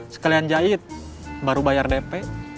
sekalian jahit baru bayar dp